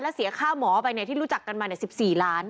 แล้วเสียค่าหมอไปที่รู้จักกันมา๑๔ล้าน